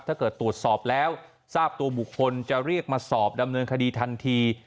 ตรวจสอบแล้วทราบตัวบุคคลจะเรียกมาสอบดำเนินคดีทันที